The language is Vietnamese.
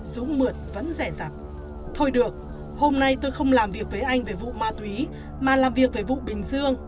dũng mượt vẫn rẻ rặt thôi được hôm nay tôi không làm việc với anh về vụ ma túy mà làm việc về vụ bình dương